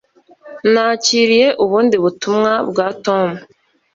Nakiriye ubundi butumwa bwa Tom.